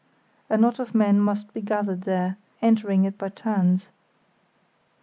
A knot of men must be gathered there, entering it by turns.